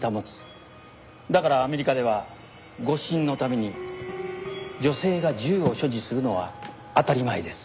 だからアメリカでは護身のために女性が銃を所持するのは当たり前です。